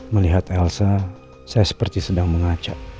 melihat elsa saya seperti sedang mengacak